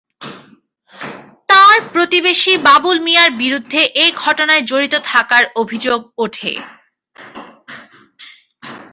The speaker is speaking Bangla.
তাঁর প্রতিবেশী বাবুল মিয়ার বিরুদ্ধে এ ঘটনায় জড়িত থাকার অভিযোগ ওঠে।